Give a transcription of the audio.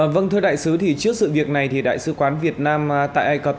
vâng thưa đại sứ thì trước sự việc này thì đại sứ quán việt nam tại ai cập